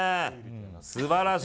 素晴らしい。